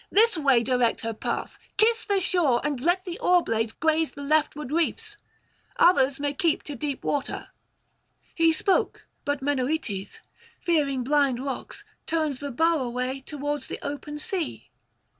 This way direct her path; kiss the shore, and let the oarblade graze the leftward reefs. Others may keep to deep water.' He spoke; but Menoetes, fearing blind rocks, turns the bow away towards the open sea.